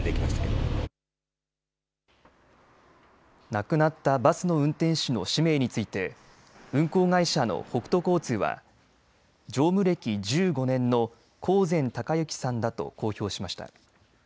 亡くなったバスの運転手の氏名について運行会社の北都交通は乗務歴１５年の興膳孝幸さんだと公表しました。